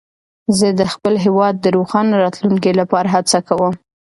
زه د خپل هېواد د روښانه راتلونکي لپاره هڅه کوم.